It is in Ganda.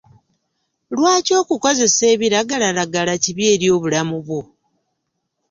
Lwaki okukozesa ebiragalalagala kibi eri obulamu bwo?